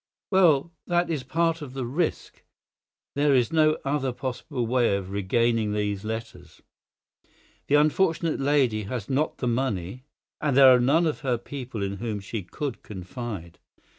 "Well, that is part of the risk. There is no other possible way of regaining these letters. The unfortunate lady has not the money, and there are none of her people in whom she could confide.